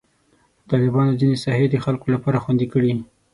طالبانو ځینې ساحې د خلکو لپاره خوندي کړي.